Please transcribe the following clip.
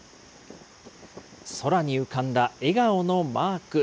空に浮かんだ笑顔のマーク。